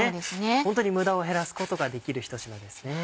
ホントに無駄を減らすことができる一品ですね。